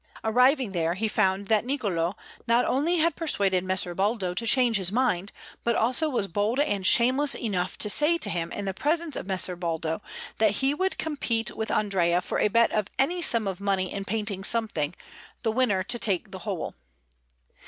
Arriving there, he found that Niccolò not only had persuaded Messer Baldo to change his mind, but also was bold and shameless enough to say to him in the presence of Messer Baldo that he would compete with Andrea for a bet of any sum of money in painting something, the winner to take the whole.